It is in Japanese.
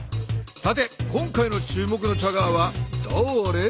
さて今回の注目のチャガーはだれ？